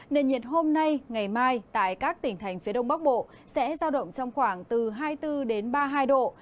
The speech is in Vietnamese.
nền nhiệt hôm nay ngày mai tại các tỉnh thành phía đông bắc bộ sẽ giao động trong khoảng từ hai mươi bốn ba mươi hai độ